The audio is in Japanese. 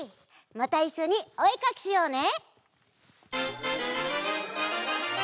またいっしょにおえかきしようね！